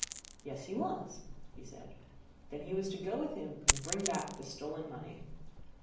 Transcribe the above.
Yes, he was, he said. Then he was to go with him and bring back the stolen money.